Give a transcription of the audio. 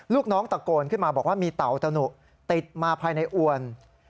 ลูกน้องตะโกนขึ้นมาบอกว่ามีเต่าตะหนุติดมาภายในอวน